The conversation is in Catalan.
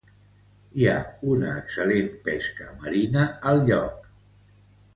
Hi ha una excel·lent pesca marina al lloc.